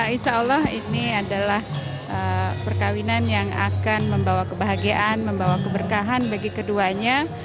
insya allah ini adalah perkawinan yang akan membawa kebahagiaan membawa keberkahan bagi keduanya